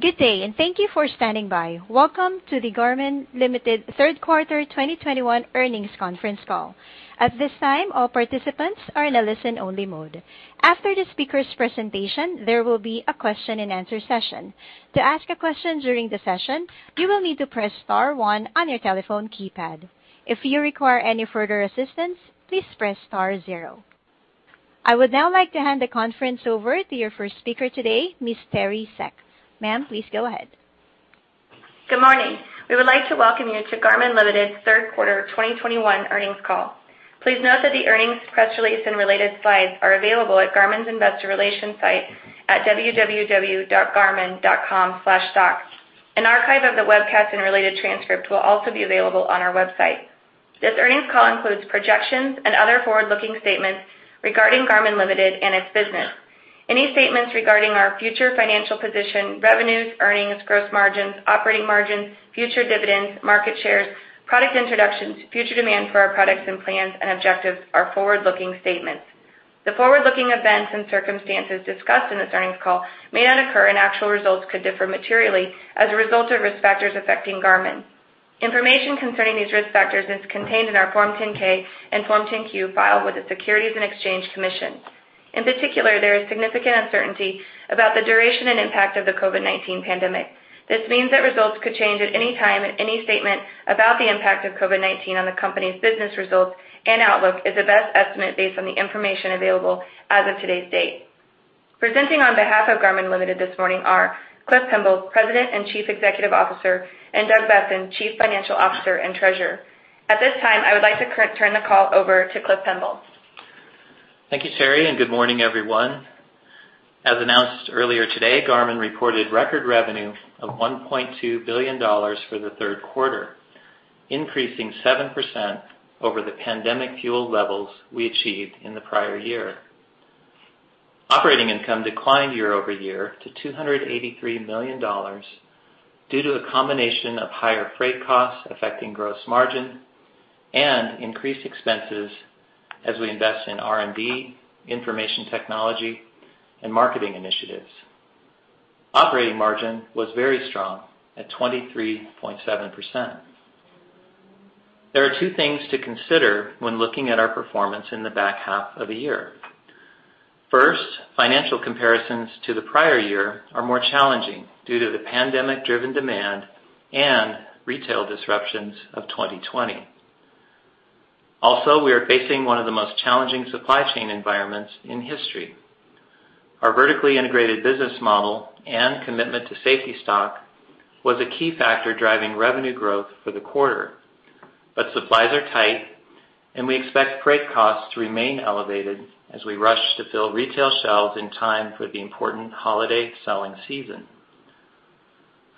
Good day, and thank you for standing by. Welcome to the Garmin Ltd. Third Quarter 2021 earnings conference call. At this time, all participants are in a listen-only mode. After the speaker's presentation, there will be a question-and-answer session. To ask a question during the session, you will need to press star one on your telephone keypad. If you require any further assistance, please press star zero. I would now like to hand the conference over to your first speaker today, Ms. Teri Seck. Ma'am, please go ahead. Good morning. We would like to welcome you to Garmin Ltd.'s third quarter 2021 earnings call. Please note that the earnings, press release, and related slides are available at Garmin's investor relations site at www.garmin.com/stock. An archive of the webcast and related transcript will also be available on our website. This earnings call includes projections and other forward-looking statements regarding Garmin Ltd. and its business. Any statements regarding our future financial position, revenues, earnings, gross margins, operating margins, future dividends, market shares, product introductions, future demand for our products and plans and objectives are forward-looking statements. The forward-looking events and circumstances discussed in this earnings call may not occur, and actual results could differ materially as a result of risk factors affecting Garmin. Information concerning these risk factors is contained in our Form 10-K and Form 10-Q filed with the Securities and Exchange Commission. In particular, there is significant uncertainty about the duration and impact of the COVID-19 pandemic. This means that results could change at any time, and any statement about the impact of COVID-19 on the company's business results and outlook is a best estimate based on the information available as of today's date. Presenting on behalf of Garmin Ltd. this morning are Clifton Pemble, President and Chief Executive Officer, and Douglas Boessen, Chief Financial Officer and Treasurer. At this time, I would like to turn the call over to Clifton Pemble. Thank you Teri and good morning everyone. As announced earlier today, Garmin reported record revenue of $1.2 billion for the third quarter, increasing 7% over the pandemic-fueled levels we achieved in the prior year. Operating income declined year-over-year to $283 million due to a combination of higher freight costs affecting gross margin and increased expenses as we invest in R&D, information technology, and marketing initiatives. Operating margin was very strong at 23.7%. There are two things to consider when looking at our performance in the back half of the year. First, financial comparisons to the prior year are more challenging due to the pandemic-driven demand and retail disruptions of 2020. Also, we are facing one of the most challenging supply chain environments in history. Our vertically integrated business model and commitment to safety stock was a key factor driving revenue growth for the quarter. Supplies are tight, and we expect freight costs to remain elevated as we rush to fill retail shelves in time for the important holiday selling season.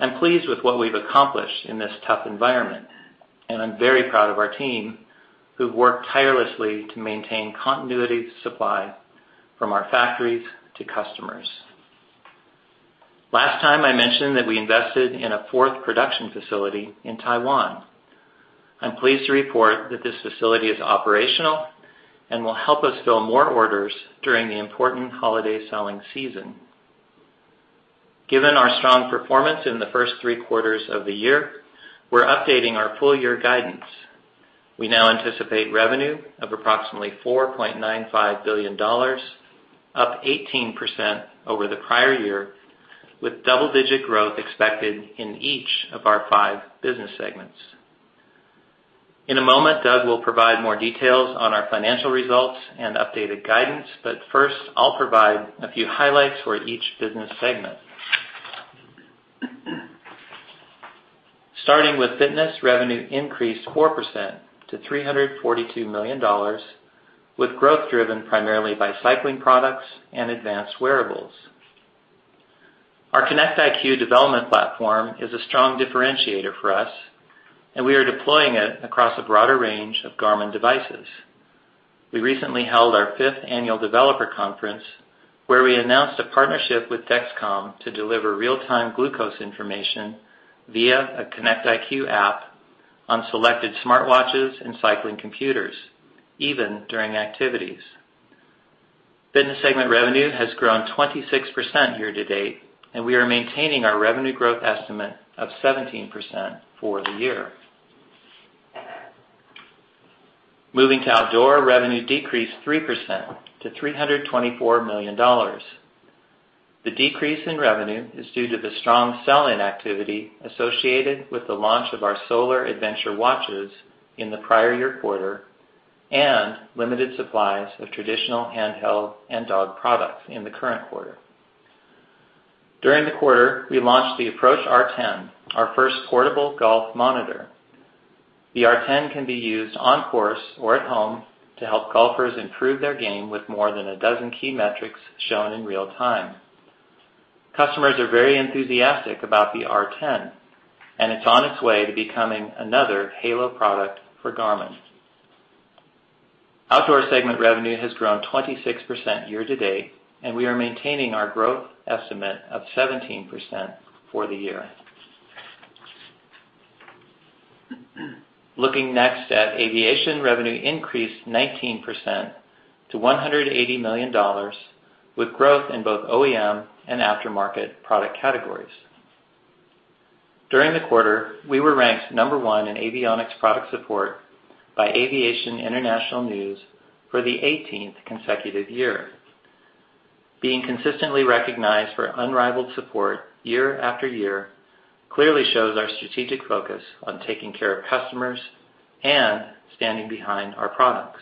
I'm pleased with what we've accomplished in this tough environment, and I'm very proud of our team, who've worked tirelessly to maintain continuity of supply from our factories to customers. Last time, I mentioned that we invested in a fourth production facility in Taiwan. I'm pleased to report that this facility is operational and will help us fill more orders during the important holiday selling season. Given our strong performance in the first three quarters of the year, we're updating our full year guidance. We now anticipate revenue of approximately $4.95 billion, up 18% over the prior year, with double-digit growth expected in each of our five business segments. In a moment, Doug will provide more details on our financial results and updated guidance, but first, I'll provide a few highlights for each business segment. Starting with Fitness, revenue increased 4% to $342 million, with growth driven primarily by cycling products and advanced wearables. Our Connect IQ development platform is a strong differentiator for us, and we are deploying it across a broader range of Garmin devices. We recently held our fifth annual developer conference, where we announced a partnership with Dexcom to deliver real-time glucose information via a Connect IQ app on selected smartwatches and cycling computers, even during activities. Fitness segment revenue has grown 26% year to date, and we are maintaining our revenue growth estimate of 17% for the year. Moving to Outdoor, revenue decreased 3% to $324 million. The decrease in revenue is due to the strong sell-in activity associated with the launch of our solar adventure watches in the prior year quarter and limited supplies of traditional handheld and dog products in the current quarter. During the quarter, we launched the Approach R10, our first portable golf monitor. The R10 can be used on course or at home to help golfers improve their game with more than a dozen key metrics shown in real time. Customers are very enthusiastic about the R10, and it's on its way to becoming another halo product for Garmin. Outdoor segment revenue has grown 26% year-to-date, and we are maintaining our growth estimate of 17% for the year. Looking next at aviation, revenue increased 19% to $180 million with growth in both OEM and aftermarket product categories. During the quarter, we were ranked number one in avionics product support by Aviation International News for the 18th consecutive year. Being consistently recognized for unrivaled support year after year clearly shows our strategic focus on taking care of customers and standing behind our products.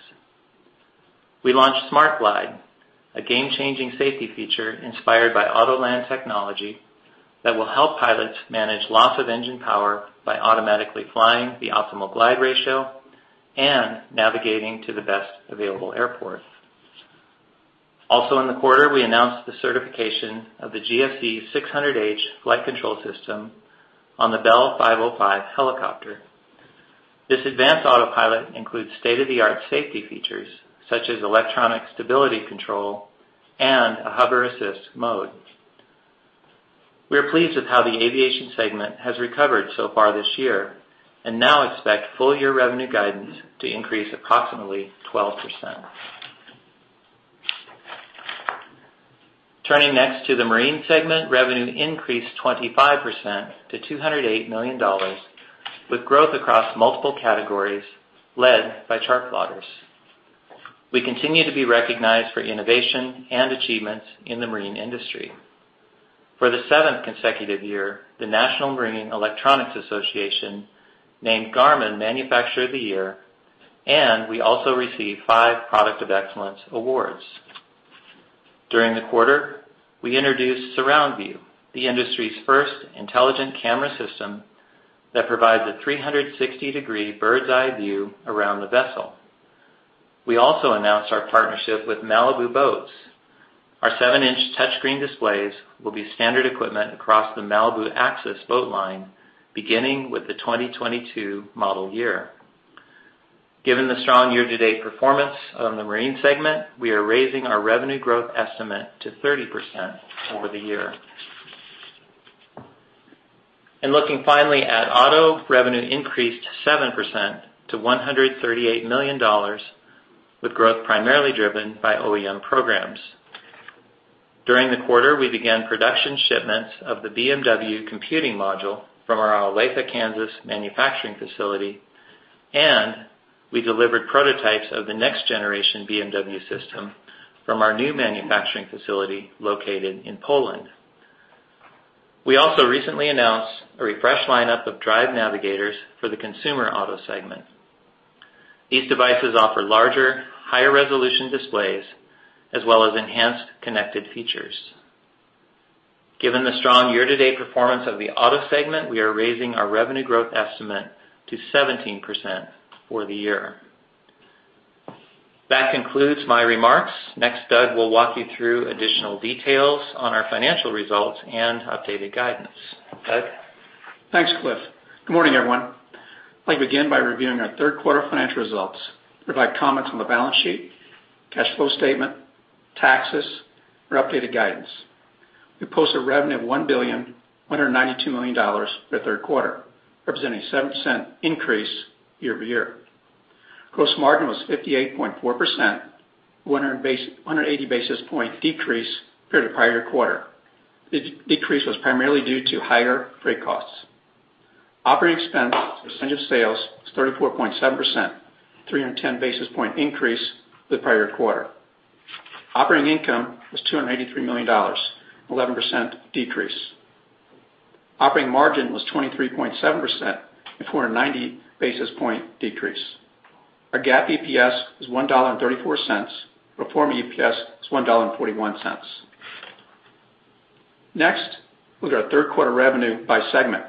We launched Smart Glide, a game-changing safety feature inspired by Autoland technology that will help pilots manage loss of engine power by automatically flying the optimal glide ratio and navigating to the best available airport. Also, in the quarter, we announced the certification of the GFC 600H flight control system on the Bell 505 helicopter. This advanced autopilot includes state-of-the-art safety features, such as electronic stability control and a hover assist mode. We are pleased with how the aviation segment has recovered so far this year and now expect full-year revenue guidance to increase approximately 12%. Turning next to the marine segment, revenue increased 25% to $208 million, with growth across multiple categories led by chartplotters. We continue to be recognized for innovation and achievements in the marine industry. For the seventh consecutive year, the National Marine Electronics Association named Garmin Manufacturer of the Year, and we also received five Product of Excellence awards. During the quarter, we introduced Surround View, the industry's first intelligent camera system that provides a 360-degree bird's-eye view around the vessel. We also announced our partnership with Malibu Boats. Our seven inch touchscreen displays will be standard equipment across the Malibu Axis boat line beginning with the 2022 model year. Given the strong year-to-date performance of the marine segment, we are raising our revenue growth estimate to 30% over the year. Looking finally at auto, revenue increased 7% to $138 million, with growth primarily driven by OEM programs. During the quarter, we began production shipments of the BMW computing module from our Olathe, Kansas, manufacturing facility, and we delivered prototypes of the next generation BMW system from our new manufacturing facility located in Poland. We also recently announced a refreshed lineup of drive navigators for the consumer auto segment. These devices offer larger, higher resolution displays as well as enhanced connected features. Given the strong year-to-date performance of the auto segment, we are raising our revenue growth estimate to 17% for the year. That concludes my remarks. Next, Doug will walk you through additional details on our financial results and updated guidance. Doug? Thanks, Cliff. Good morning everyone. I'd like to begin by reviewing our third quarter financial results, provide comments on the balance sheet, cash flow statement, taxes, our updated guidance. We posted revenue of $1.192 billion for the third quarter, representing a 7% increase year-over-year. Gross margin was 58.4%, 180 basis point decrease compared to prior quarter. The decrease was primarily due to higher freight costs. Operating expense as a percentage of sales was 34.7%, 310 basis point increase the prior quarter. Operating income was $283 million, 11% decrease. Operating margin was 23.7%, a 490 basis point decrease. Our GAAP EPS was $1.34. Pro forma EPS was $1.41. Next, look at our third quarter revenue by segment.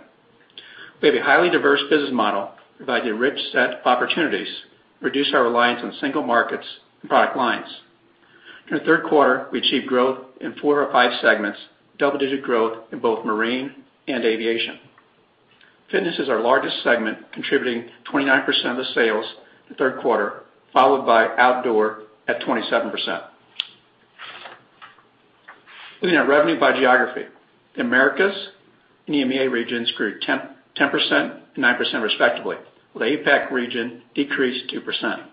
We have a highly diverse business model, providing a rich set of opportunities, reducing our reliance on single markets and product lines. In the third quarter, we achieved growth in four of five segments, double-digit growth in both Marine and Aviation. Fitness is our largest segment, contributing 29% of the sales in the third quarter, followed by Outdoor at 27%. Looking at revenue by geography. The Americas and EMEA regions grew 10% and 9%, respectively, with the APAC region decreased 2%.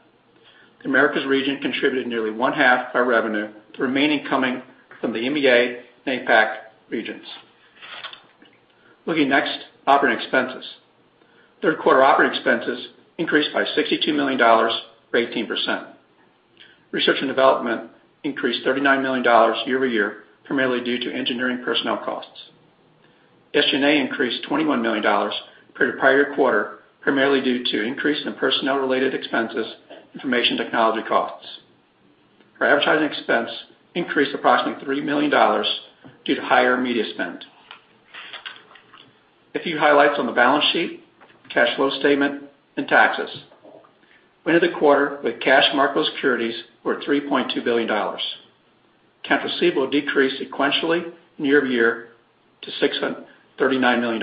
The Americas region contributed nearly one-half of our revenue, the remaining coming from the EMEA and APAC regions. Looking next, operating expenses. Third quarter operating expenses increased by $62 million or 18%. Research and development increased $39 million year-over-year, primarily due to engineering personnel costs. SG&A increased $21 million compared to prior quarter, primarily due to increase in personnel-related expenses, information technology costs. Our advertising expense increased approximately $3 million due to higher media spend. A few highlights on the balance sheet, cash flow statement, and taxes. We ended the quarter with cash and marketable securities worth $3.2 billion. Accounts receivable decreased sequentially year-over-year to $639 million.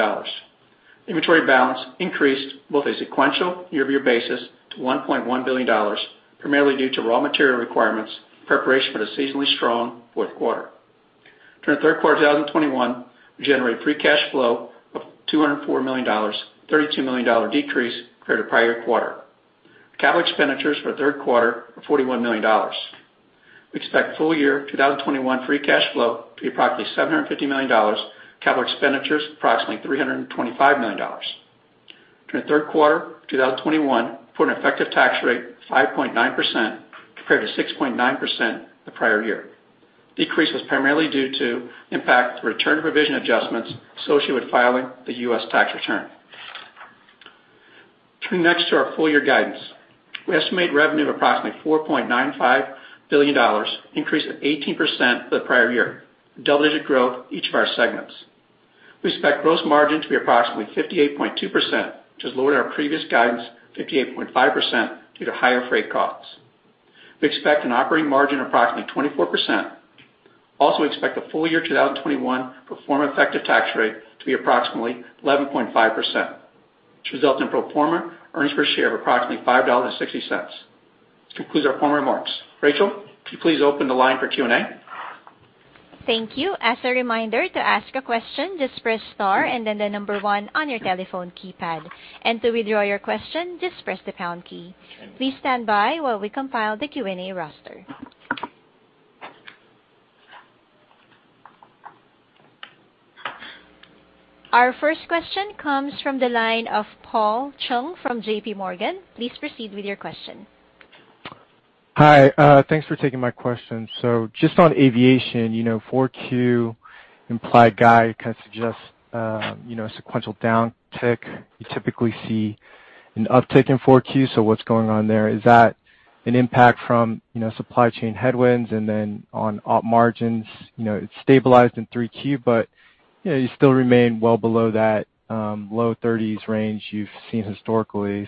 Inventory balance increased both on a sequential year-over-year basis to $1.1 billion, primarily due to raw material requirements in preparation for the seasonally strong fourth quarter. During the third quarter of 2021, we generated free cash flow of $204 million, a $32 million decrease compared to prior quarter. Capital expenditures for the third quarter were $41 million. We expect full year 2021 free cash flow to be approximately $750 million. Capital expenditures, approximately $325 million. During Q3 2021, we had an effective tax rate of 5.9% compared to 6.9% the prior year. Decrease was primarily due to impact of return provision adjustments associated with filing the U.S. tax return. Turning next to our full year guidance. We estimate revenue of approximately $4.95 billion, increase of 18% the prior year. Double-digit growth each of our segments. We expect gross margin to be approximately 58.2%, which is lower than our previous guidance, 58.5%, due to higher freight costs. We expect an operating margin of approximately 24%. Also expect the full year 2021 pro forma effective tax rate to be approximately 11.5%, which results in pro forma earnings per share of approximately $5.60. This concludes our formal remarks. Rachel, could you please open the line for Q&A? Thank you. As a reminder, to ask a question, just press star and then the number one on your telephone keypad. To withdraw your question, just press the pound key. Please stand by while we compile the Q&A roster. Our first question comes from the line of Paul Chung from JPMorgan. Please proceed with your question. Hi, thanks for taking my question. Just on aviation, you know, 4Q implied guide kind of suggests, you know, a sequential downtick. You typically see an uptick in 4Q, so what's going on there? Is that an impact from, you know, supply chain headwinds? Then on op margins, you know, it's stabilized in 3Q, but, you know, you still remain well below that, low 30s range you've seen historically.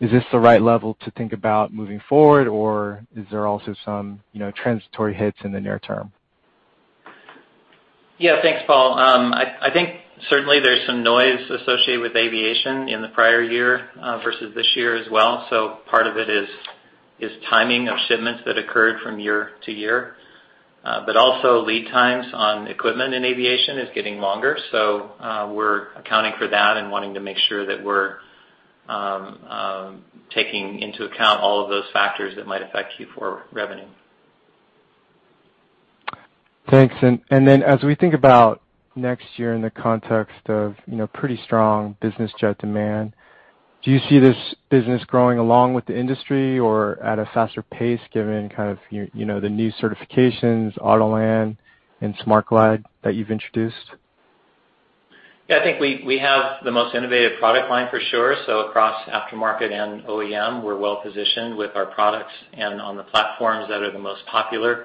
Is this the right level to think about moving forward, or is there also some, you know, transitory hits in the near term? Yeah, thanks, Paul. I think certainly there's some noise associated with aviation in the prior year versus this year as well. Part of it is timing of shipments that occurred from year-to-year. Also lead times on equipment in aviation is getting longer. We're accounting for that and wanting to make sure that we're taking into account all of those factors that might affect Q4 revenue. Thanks. As we think about next year in the context of, you know, pretty strong business jet demand, do you see this business growing along with the industry or at a faster pace, given kind of you know, the new certifications, Autoland and Smart Glide that you've introduced? Yeah, I think we have the most innovative product line for sure. Across aftermarket and OEM, we're well positioned with our products and on the platforms that are the most popular.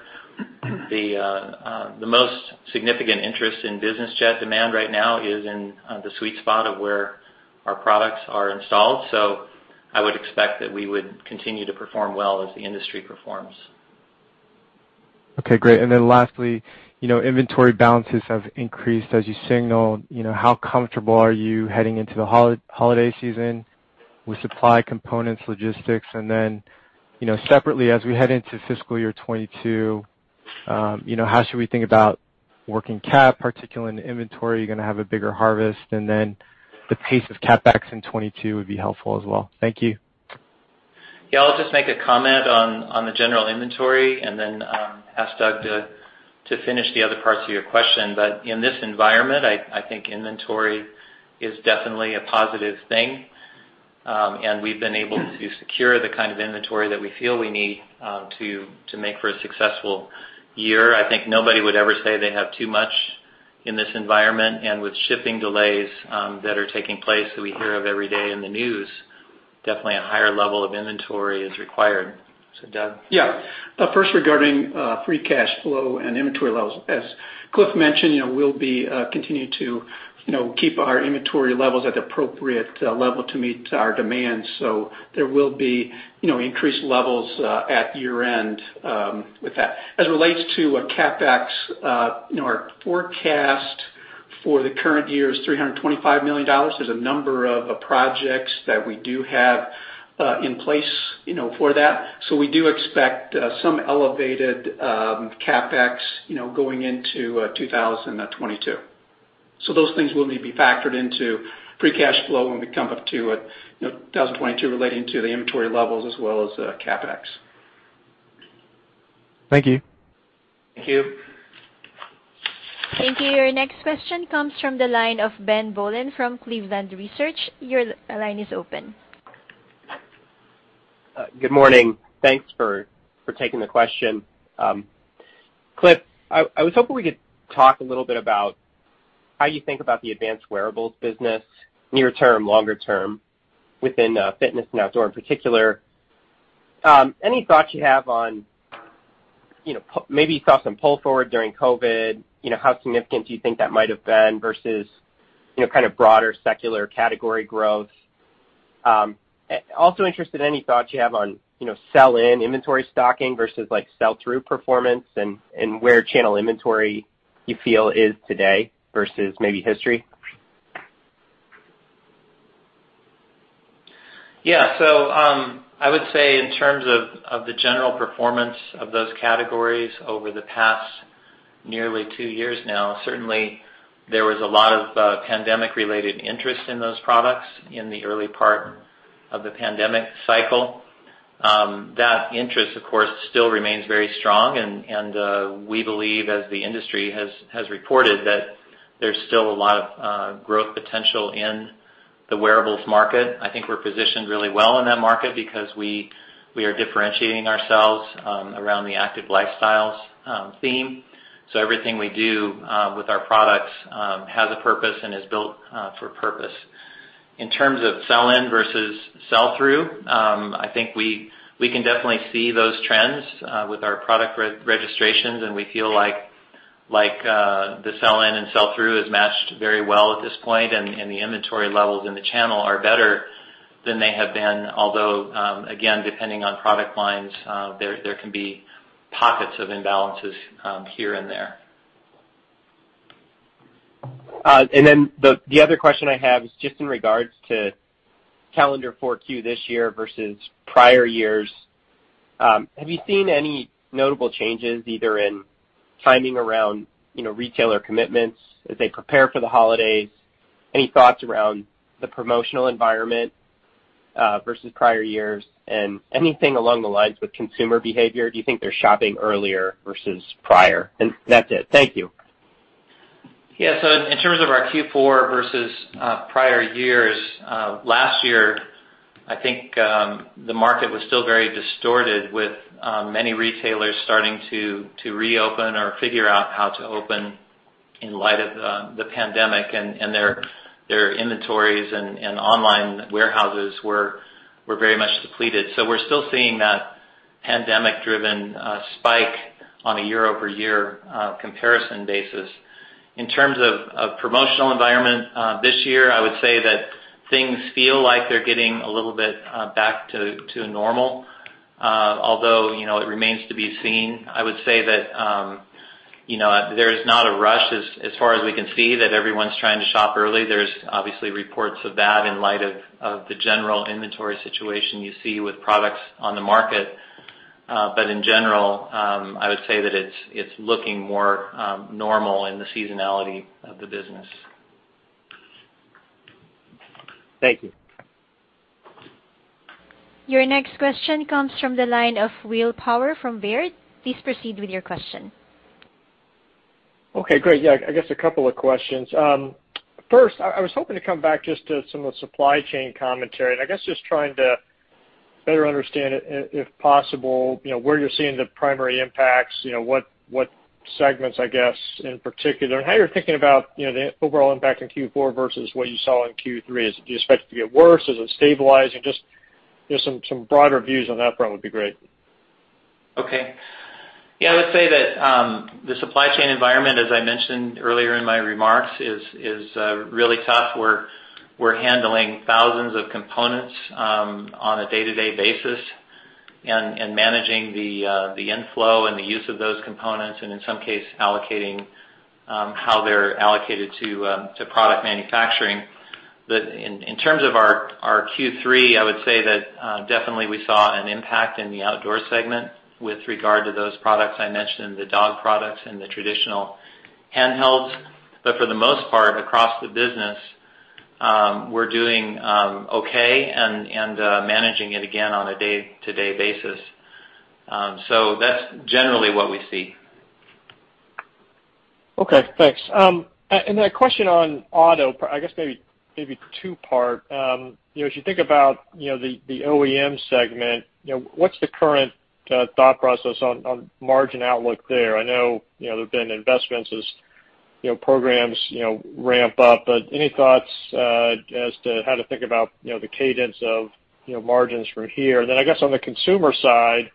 The most significant interest in business jet demand right now is in the sweet spot of where our products are installed. I would expect that we would continue to perform well as the industry performs. Okay, great. Lastly, you know, inventory balances have increased as you signal. You know, how comfortable are you heading into the holiday season with supply, components, logistics? Separately, as we head into fiscal year 2022, you know, how should we think about working cap, particularly in the inventory? Are you gonna have a bigger harvest? The pace of CapEx in 2022 would be helpful as well. Thank you. Yeah, I'll just make a comment on the general inventory and then ask Doug to finish the other parts of your question. In this environment, I think inventory is definitely a positive thing. We've been able to secure the kind of inventory that we feel we need to make for a successful year. I think nobody would ever say they have too much in this environment. With shipping delays that are taking place that we hear of every day in the news, definitely a higher level of inventory is required. Doug? Yeah. First regarding free cash flow and inventory levels. As Cliff mentioned, you know, we'll be continuing to, you know, keep our inventory levels at the appropriate level to meet our demands. There will be, you know, increased levels at year end with that. As it relates to CapEx, you know, our forecast for the current year is $325 million. There's a number of projects that we do have in place, you know, for that. We do expect some elevated CapEx, you know, going into 2022. Those things will need to be factored into free cash flow when we come up to, you know, 2022 relating to the inventory levels as well as CapEx. Thank you. Thank you. Thank you. Your next question comes from the line of Ben Bollin from Cleveland Research. Your line is open. Good morning. Thanks for taking the question. Cliff, I was hoping we could talk a little bit about how you think about the advanced wearables business near term, longer term, within fitness and outdoor in particular. Any thoughts you have on, you know, maybe you saw some pull forward during COVID, you know, how significant do you think that might have been versus, you know, kind of broader secular category growth? Also interested in any thoughts you have on, you know, sell-in inventory stocking versus like sell-through performance and where channel inventory you feel is today versus maybe history? Yeah. I would say in terms of the general performance of those categories over the past nearly two years now, certainly there was a lot of pandemic-related interest in those products in the early part of the pandemic cycle. That interest, of course, still remains very strong, and we believe, as the industry has reported, that there's still a lot of growth potential in the wearables market. I think we're positioned really well in that market because we are differentiating ourselves around the active lifestyles theme. Everything we do with our products has a purpose and is built for purpose. In terms of sell-in versus sell-through, I think we can definitely see those trends with our product re-registrations, and we feel like the sell-in and sell-through is matched very well at this point, and the inventory levels in the channel are better than they have been, although, again, depending on product lines, there can be pockets of imbalances here and there. The other question I have is just in regards to calendar 4Q this year versus prior years. Have you seen any notable changes either in timing around, you know, retailer commitments as they prepare for the holidays? Any thoughts around the promotional environment versus prior years? Anything along the lines with consumer behavior? Do you think they're shopping earlier versus prior? That's it. Thank you. Yeah. In terms of our Q4 versus prior years last year, I think the market was still very distorted with many retailers starting to reopen or figure out how to open in light of the pandemic, and their inventories and online warehouses were very much depleted. We're still seeing that pandemic-driven spike on a year-over-year comparison basis. In terms of promotional environment this year, I would say that things feel like they're getting a little bit back to normal, although you know it remains to be seen. I would say that you know there is not a rush as far as we can see that everyone's trying to shop early. There's obviously reports of that in light of the general inventory situation you see with products on the market. In general, I would say that it's looking more normal in the seasonality of the business. Thank you. Your next question comes from the line of Will Power from Baird. Please proceed with your question. Okay, great. Yeah, I guess a couple of questions. First, I was hoping to come back just to some of the supply chain commentary, and I guess just trying to better understand it, if possible, you know, where you're seeing the primary impacts, you know, what segments, I guess, in particular, and how you're thinking about, you know, the overall impact in Q4 versus what you saw in Q3. Do you expect it to get worse? Is it stabilizing? Just, you know, some broader views on that front would be great. Okay. Yeah, I would say that the supply chain environment, as I mentioned earlier in my remarks, is really tough. We're handling thousands of components on a day-to-day basis and the inflow and the use of those components, and in some cases allocating how they're allocated to product manufacturing. But in terms of our Q3, I would say that definitely we saw an impact in the outdoor segment with regard to those products I mentioned, the dog products and the traditional handhelds. But for the most part, across the business, we're doing okay and managing it again on a day-to-day basis. That's generally what we see. Okay, thanks. And a question on auto. I guess maybe two-part. You know, as you think about the OEM segment, you know, what's the current thought process on margin outlook there? I know, you know, there have been investments as programs ramp up, but any thoughts as to how to think about the cadence of margins from here? And then I guess on the consumer side,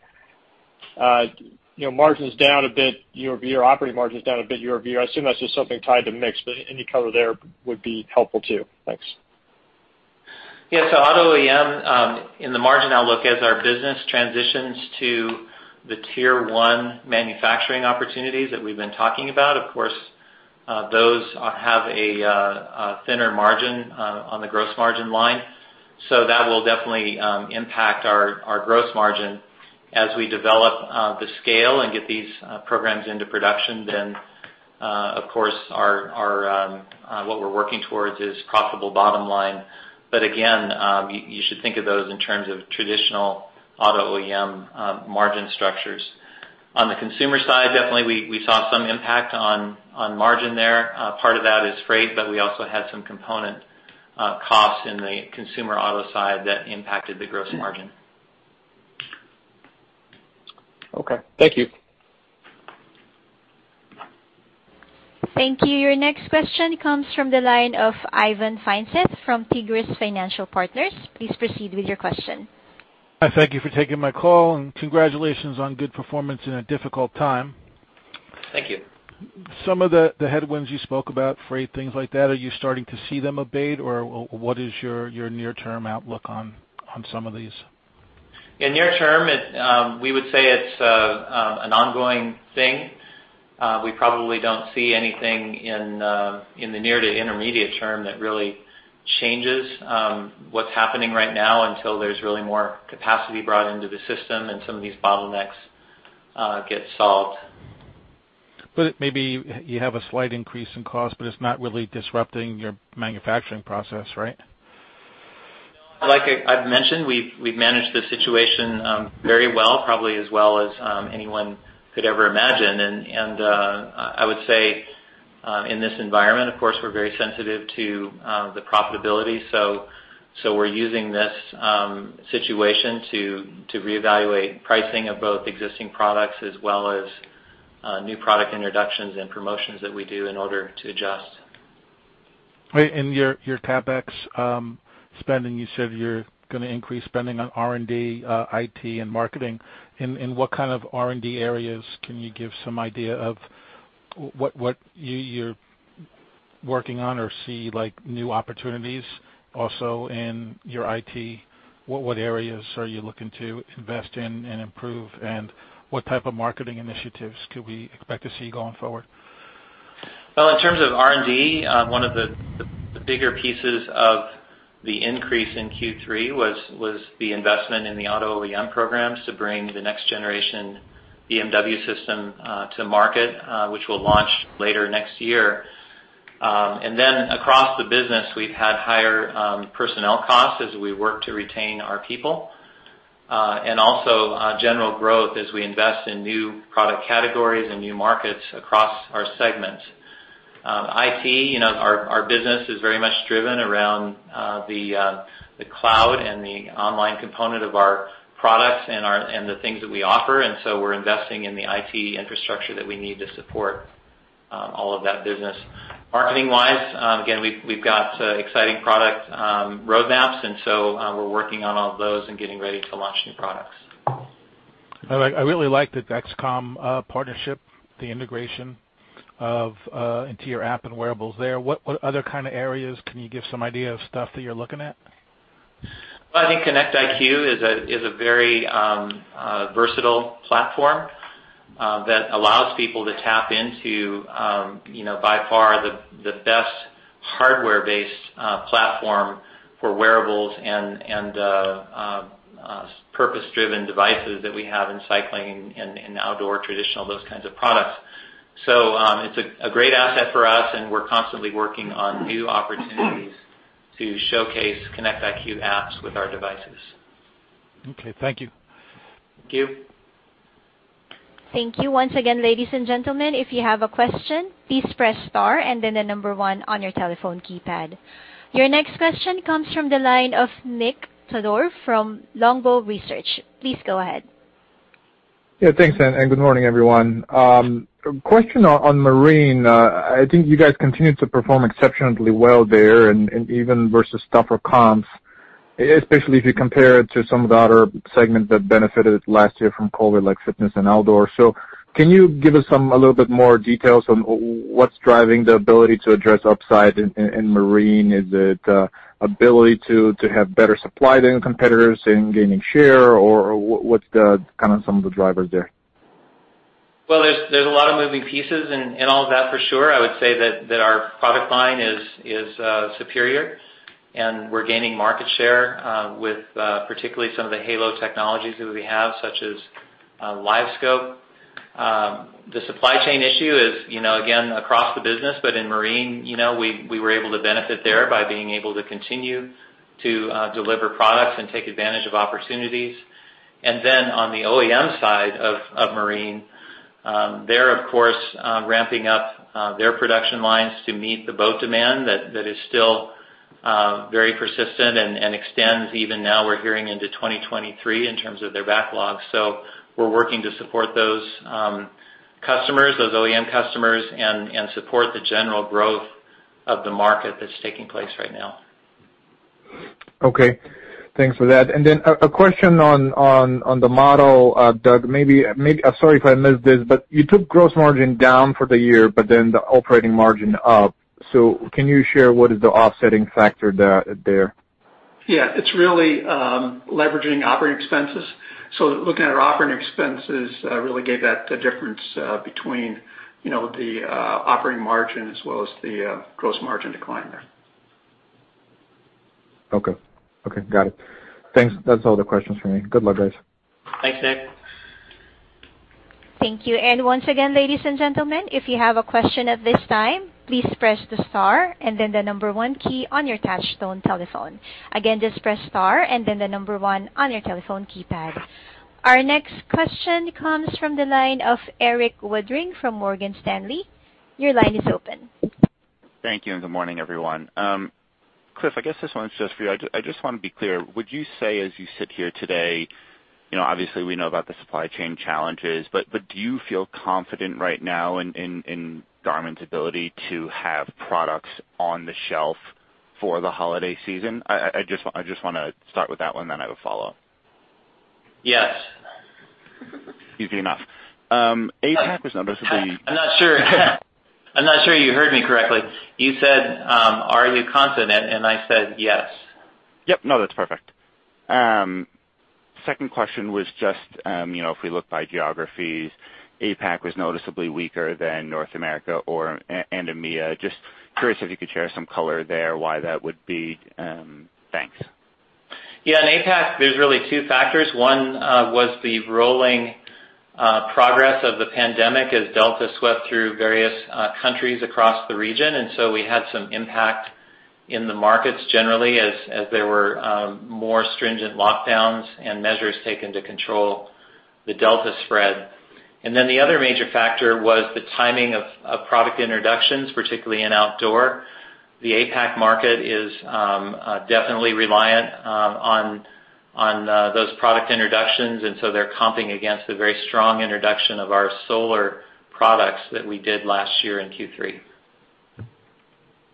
you know, margins down a bit year-over-year, operating margins down a bit year-over-year. I assume that's just something tied to mix, but any color there would be helpful too. Thanks. Yeah. Auto OEM in the margin outlook as our business transitions to the tier one manufacturing opportunities that we've been talking about, of course, those have a thinner margin on the gross margin line. That will definitely impact our gross margin. As we develop the scale and get these programs into production, then of course what we're working towards is profitable bottom line. Again, you should think of those in terms of traditional auto OEM margin structures. On the consumer side, definitely we saw some impact on margin there. Part of that is freight, but we also had some component costs in the consumer auto side that impacted the gross margin. Okay. Thank you. Thank you. Your next question comes from the line of Ivan Feinseth from Tigress Financial Partners. Please proceed with your question. Hi, thank you for taking my call, and congratulations on good performance in a difficult time. Thank you. Some of the headwinds you spoke about, freight, things like that, are you starting to see them abate, or what is your near-term outlook on some of these? In the near term, we would say it's an ongoing thing. We probably don't see anything in the near to intermediate term that really changes what's happening right now until there's really more capacity brought into the system and some of these bottlenecks get solved. Maybe you have a slight increase in cost, but it's not really disrupting your manufacturing process, right? Like I've mentioned, we've managed the situation very well, probably as well as anyone could ever imagine. I would say in this environment, of course, we're very sensitive to the profitability. We're using this situation to reevaluate pricing of both existing products as well as new product introductions and promotions that we do in order to adjust. Right. In your CapEx spending, you said you're gonna increase spending on R&D, IT, and marketing. In what kind of R&D areas can you give some idea of what you're working on or see like new opportunities also in your IT? What areas are you looking to invest in and improve, and what type of marketing initiatives could we expect to see going forward? Well, in terms of R&D, one of the bigger pieces of the increase in Q3 was the investment in the auto OEM programs to bring the next generation BMW system to market, which we'll launch later next year. Across the business, we've had higher personnel costs as we work to retain our people and also general growth as we invest in new product categories and new markets across our segments. IT, you know, our business is very much driven around the cloud and the online component of our products and the things that we offer, and so we're investing in the IT infrastructure that we need to support all of that business. Marketing-wise, again, we've got exciting product roadmaps, and so we're working on all of those and getting ready to launch new products. I really like the Dexcom partnership, the integration into your app and wearables there. What other kind of areas can you give some idea of stuff that you're looking at? I think Connect IQ is a very versatile platform that allows people to tap into, you know, by far the best hardware-based platform for wearables and purpose-driven devices that we have in cycling and outdoor, traditional, those kinds of products. It's a great asset for us, and we're constantly working on new opportunities to showcase Connect IQ apps with our devices. Okay. Thank you. Thank you. Thank you. Once again, ladies and gentlemen, if you have a question, please press star and then one on your telephone keypad. Your next question comes from the line of Nik Todorov from Longbow Research. Please go ahead. Yeah, thanks good morning everyone. A question on Marine. I think you guys continued to perform exceptionally well there and even versus tougher comps, especially if you compare it to some of the other segments that benefited last year from COVID, like Fitness and Outdoor. Can you give us a little bit more details on what's driving the ability to address upside in Marine? Is it ability to have better supply than competitors in gaining share or what's the kind of some of the drivers there? Well, there's a lot of moving pieces in all of that, for sure. I would say that our product line is superior and we're gaining market share with particularly some of the halo technologies that we have, such as LiveScope. The supply chain issue is, you know, again, across the business, but in marine, you know, we were able to benefit there by being able to continue to deliver products and take advantage of opportunities. On the OEM side of marine, they're of course ramping up their production lines to meet the boat demand that is still very persistent and extends even now. We're hearing into 2023 in terms of their backlog. We're working to support those customers, those OEM customers and support the general growth of the market that's taking place right now. Okay. Thanks for that. Then a question on the model, Doug. I'm sorry if I missed this, but you took gross margin down for the year, but then the operating margin up. Can you share what is the offsetting factor there? Yeah. It's really leveraging operating expenses. Looking at our operating expenses really gave that the difference between you know the operating margin as well as the gross margin decline there. Okay. Okay. Got it. Thanks. That's all the questions for me. Good luck, guys. Thanks, Nik. Thank you. Once again, ladies and gentlemen, if you have a question at this time, please press the star and then the one key on your touchtone telephone. Again, just press star and then the one on your telephone keypad. Our next question comes from the line of Erik Woodring from Morgan Stanley. Your line is open. Thank you, and good morning everyone. Cliff, I guess this one's just for you. I just wanna be clear. Would you say as you sit here today, you know, obviously, we know about the supply chain challenges, but do you feel confident right now in Garmin's ability to have products on the shelf for the holiday season? I just wanna start with that one, then I have a follow-up. Yes. Easy enough. APAC was noticeably. I'm not sure. I'm not sure you heard me correctly. You said, are you confident? I said yes. Yep, no, that's perfect. Second question was just, you know, if we look by geographies, APAC was noticeably weaker than North America and EMEA. Just curious if you could share some color there why that would be. Thanks. Yeah, in APAC, there's really two factors. One was the rolling progress of the pandemic as Delta swept through various countries across the region. We had some impact in the markets generally as there were more stringent lockdowns and measures taken to control the Delta spread. The other major factor was the timing of product introductions, particularly in outdoor. The APAC market is definitely reliant on those product introductions, and so they're comping against a very strong introduction of our solar products that we did last year in Q3.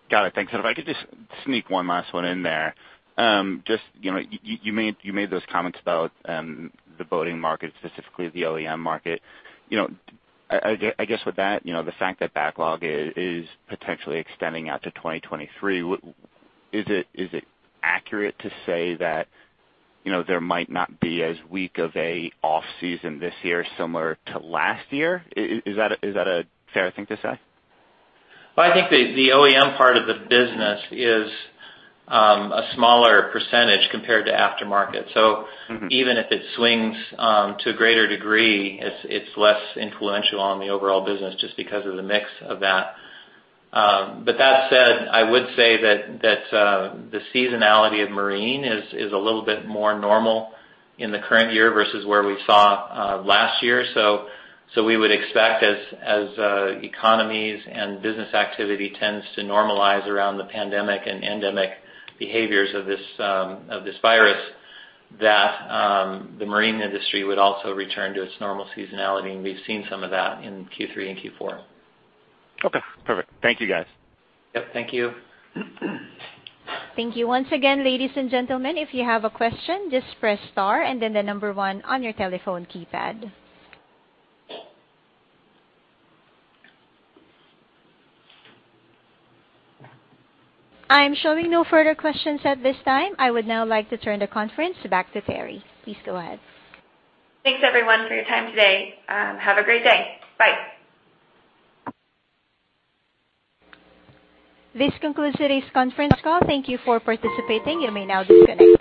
Got it. Thanks. If I could just sneak one last one in there. Just, you know, you made those comments about the boating market, specifically the OEM market. You know, I guess with that, you know, the fact that backlog is potentially extending out to 2023, is it accurate to say that, you know, there might not be as weak of an off-season this year similar to last year? Is that a fair thing to say? Well, I think the OEM part of the business is a smaller percentage compared to aftermarket. Mm-hmm. Even if it swings to a greater degree, it's less influential on the overall business just because of the mix of that. That said, I would say that the seasonality of marine is a little bit more normal in the current year versus where we saw last year. We would expect as economies and business activity tends to normalize around the pandemic and endemic behaviors of this virus, that the marine industry would also return to its normal seasonality, and we've seen some of that in Q3 and Q4. Okay. Perfect. Thank you, guys. Yep. Thank you. Thank you once again, ladies and gentlemen. If you have a question, just press star and then the number one on your telephone keypad. I'm showing no further questions at this time. I would now like to turn the conference back to Teri. Please go ahead. Thanks, everyone, for your time today. Have a great day. Bye. This concludes today's conference call. Thank you for participating. You may now disconnect.